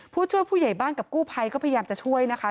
ผู้ช่วยผู้ใหญ่บ้านกับกู้ภัยก็พยายามจะช่วยนะคะ